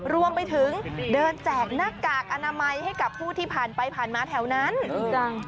รวมไปถึงเดินแจกหน้ากากอนามัยให้กับผู้ที่ผ่านไปผ่านมาแถวนั้นจริงจัง